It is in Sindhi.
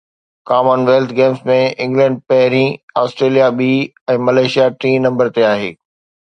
ڪمن ويلٿ گيمز ۾ انگلينڊ پهرين، آسٽريليا ٻي ۽ ملائيشيا ٽئين نمبر تي آهي